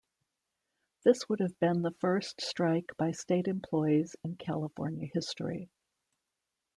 This would have been the first strike by state employees in California history.